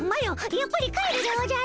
やっぱり帰るでおじゃる。